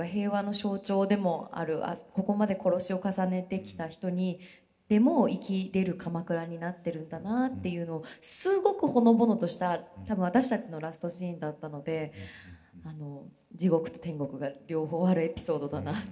ここまで殺しを重ねてきた人でも生きれる鎌倉になってるんだなっていうのをすごくほのぼのとした多分私たちのラストシーンだったので地獄と天国が両方あるエピソードだなって